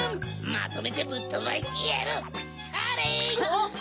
まとめてぶっとばしてやる！